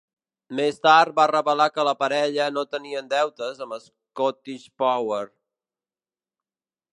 Més tard va revelar que la parella no tenien deutes amb Scottish Power.